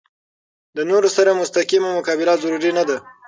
د نورو سره مستقیمه مقابله ضروري نه ده.